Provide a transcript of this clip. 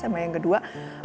sama yang kedua